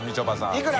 いくら？